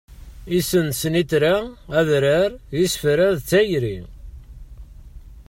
Issen snitra, adrar, isefra d tayri.